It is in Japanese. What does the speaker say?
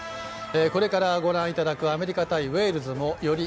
これからご覧いただくアメリカ対ウェールズもより